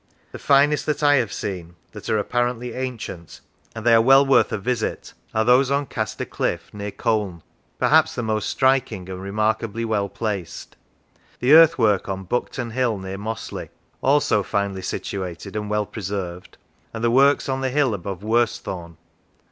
The finest that I have seen that are apparently ancient, and they are well 42 How It Came into Being worth a visit, are those on Caster Cliff, near Come, perhaps the most striking, and remarkably well placed; the earthwork on Buckton Hill near Mossley, also finely situated and well preserved; and the works on the hill above Worsthorne.